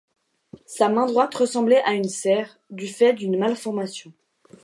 Sa main droite ressemblait à une serre du fait d'une malformation.